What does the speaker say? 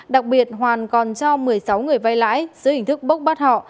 đặc biệt hoàn còn cho một mươi sáu người vây lãi giữ hình thức bốc bắt họ